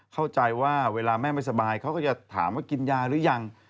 เข้าใจว่าเวลาแม่ไม่สบายเขาก็จะถามว่ากินยาหรือยัง